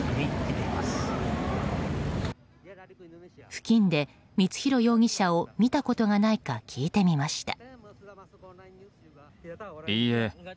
付近で、光弘容疑者を見たことがないか聞いてみました。